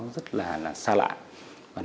rất là sức khỏe